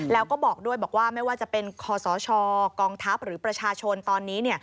แล้วก็บอกด้วยบอกว่าไม่ว่าจะเป็นคศกองทัพหรือประชาชนตอนนี้